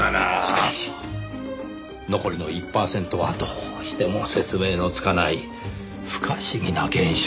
しかし残りの１パーセントはどうしても説明のつかない不可思議な現象なのですよ。